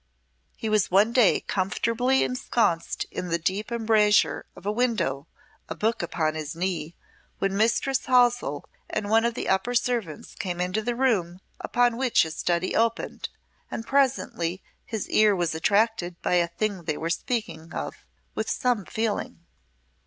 He was one day comfortably ensconced in the deep embrasure of a window, a book upon his knee, when Mistress Halsell and one of the upper servants came into the room upon which his study opened, and presently his ear was attracted by a thing they were speaking of with some feeling.